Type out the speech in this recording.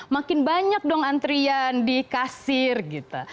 makin banyak dong antrian di kasir gitu